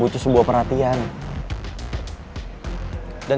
ini gua coba kalo dia mau